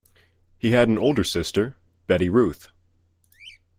He had an older sister, Betty Ruth.